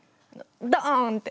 ドンって！